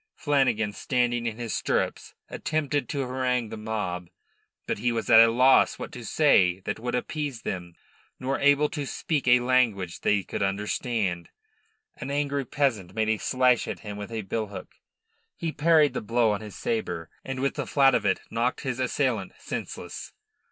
Flanagan, standing in his stirrups, attempted to harangue the mob. But he was at a loss what to say that would appease them, nor able to speak a language they could understand. An angry peasant made a slash at him with a billhook. He parried the blow on his sabre, and with the flat of it knocked his assailant senseless.